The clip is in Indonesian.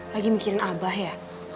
lagi mikirin abah ya